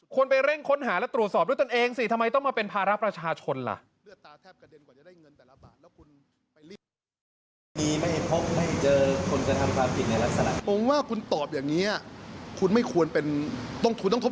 ควรไปเร่งค้นหาและตรวจสอบด้วยตัวเองสิ